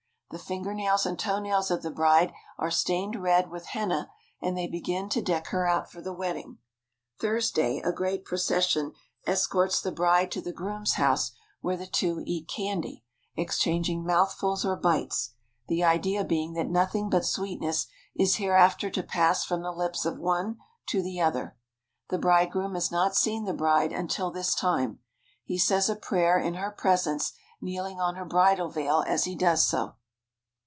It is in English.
The fingernails and toenails of the bride are stained red with henna and they begin to deck her out for the wed ding. Thursday a great procession escorts the bride to the groom's house where the two eat candy, exchanging mouthfuls or bites, the idea being that nothing but sweet ness is hereafter to pass from the lips of one to the other. The bridegroom has not seen the bride until this time. He says a prayer in her presence, kneeling on her bridal veil as he does so.